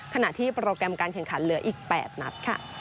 ขณะที่โปรแกรมการแข่งขันเหลืออีก๘นัดค่ะ